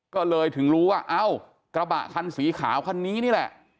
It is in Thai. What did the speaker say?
ก็เลยถึงรู้ว่าเอ้ากระบะคันสีขาวคันนี้นี่แหละ